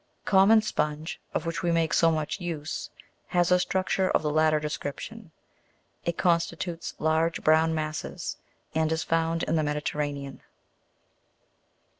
Common sponge, of which we make so much use, has a struc ture of the latter description ; it constitutes large brownish masses, and is found in the Mediterranean.